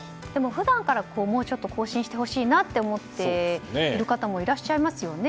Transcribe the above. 普段からもうちょっと更新してほしいなと思っている方もいらっしゃいますよね。